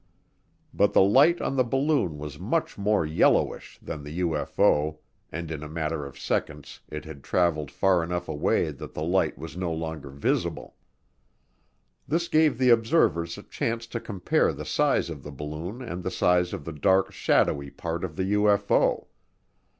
But the light on the balloon was much more "yellowish" than the UFO and in a matter of seconds it had traveled far enough away that the light was no longer visible. This gave the observers a chance to compare the size of the balloon and the size of the dark, shadowy part of the UFO.